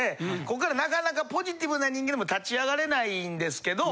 こっからなかなかポジティブな人間でも立ち上がれないんですけど。